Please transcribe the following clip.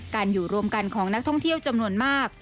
อยู่รวมกันของนักท่องเที่ยวจำนวนมาก